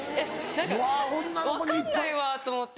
分かんないわと思って。